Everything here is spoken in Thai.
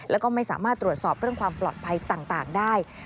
แล้วก็ไม่สามารถตรวจสอบเรื่องความปลอดภัยต่างได้